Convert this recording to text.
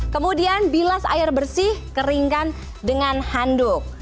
kemudian bilas air bersih keringkan dengan handuk